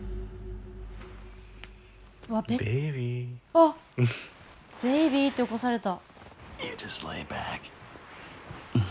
あっ「ベイビー」って起こされた。